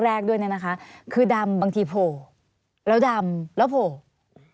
บางทีคือดำโผล่แล้วดำแล้วโผล่